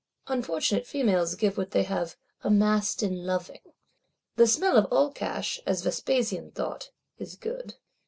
Unfortunate females give what they "have amassed in loving." The smell of all cash, as Vespasian thought, is good.